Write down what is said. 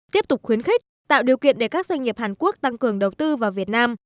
tiếp tục khuyến khích tạo điều kiện để các doanh nghiệp hàn quốc tăng cường đầu tư vào việt nam